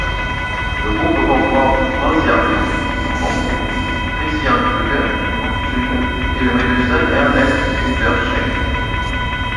Le groupe comprend Manziarly, Mohnke, Christian, Krüger, Junge et le médecin Ernst-Günther Schenck.